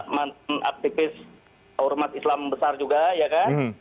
mantan aktivis ormas islam besar juga ya kan